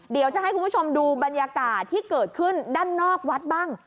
เดี๋ยวจะให้คุณผู้ชมดูบรรยากาศที่เกิดขึ้นด้านนอกวัดบ้าง